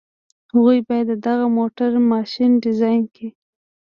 هغوی بايد د دغه موټر ماشين ډيزاين کړي.